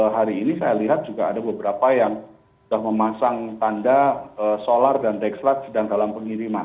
hari ini saya lihat juga ada beberapa yang sudah memasang tanda solar dan tax light sedang dalam pengiriman